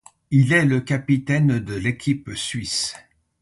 Il est le capitaine de l'équipe suisse.